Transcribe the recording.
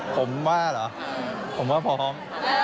ผมว่าเหรอผมว่าพร้อม